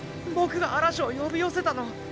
僕が嵐を呼び寄せたの。